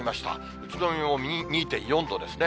宇都宮も２．４度ですね。